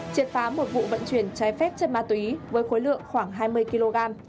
triệt phá một vụ vận chuyển trái phép chất ma túy với khối lượng khoảng hai mươi kg